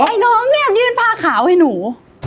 ไอ้น้องเนี่ยยื่นผ้าขาวให้หนู